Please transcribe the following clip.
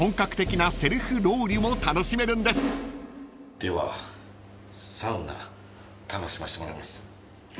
ではサウナ楽しませてもらいます。